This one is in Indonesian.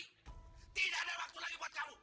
tidak ada waktu lagi buat kamu